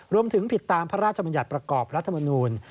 รวมถึงผิดตามพระราชบัญญัติประกอบรัฐมนตรี